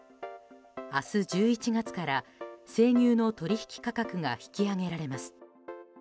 明日１１月から生乳の取引価格が引き上げられます。